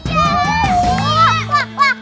pak de bentar bentar